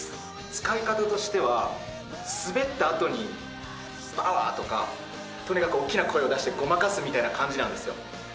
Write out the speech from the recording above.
使い方としては、すべったあとに、パワーとか、とにかく大きな声を出して、ごまかすみたいな感じなんですよ。